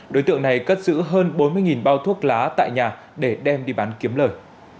đối tượng này cất giữ hơn bốn mươi bao thuốc lá tại nhà để đem đi bán kiếm lời